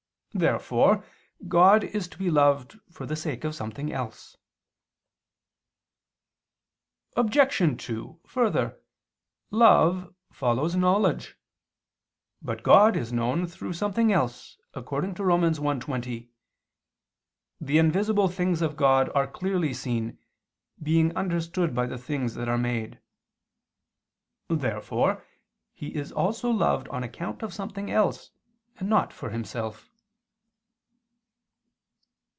Therefore God is to be loved for the sake of something else. Obj. 2: Further, love follows knowledge. But God is known through something else, according to Rom. 1:20: "The invisible things of God are clearly seen, being understood by the things that are made." Therefore He is also loved on account of something else and not for Himself.